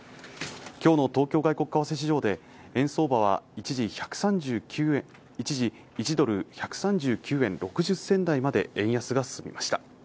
きょうの東京外国為替市場で円相場は一時１３９円一時１ドル＝１３９円６０銭台まで円安が進みました